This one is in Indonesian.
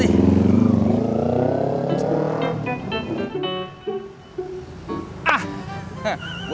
nih kita ke luar